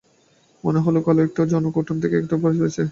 মনে হল কালো একটা কী-যৌন উঠোন থেকে ঘরের ভিতর ঝাঁপিয়ে পড়ল।